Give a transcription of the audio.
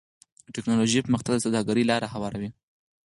د ټکنالوجۍ پرمختګ د سوداګرۍ لاره هواروي.